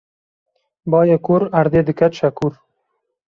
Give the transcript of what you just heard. Bayê kûr erdê dike çekûr